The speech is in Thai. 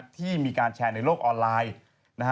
ที่มีการแชร์ในโลกออนไลน์